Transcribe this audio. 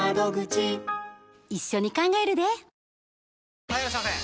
はぁ・はいいらっしゃいませ！